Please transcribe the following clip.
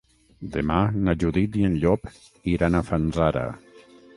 Demà na Judit i en Llop iran a Fanzara.